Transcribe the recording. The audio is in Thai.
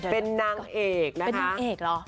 เป็นนางเอกนะคะ